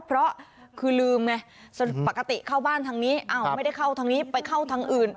เพราะคือลืมไงปกติเข้าบ้านทางนี้ไม่ได้เข้าทางนี้ไปเข้าทางอื่น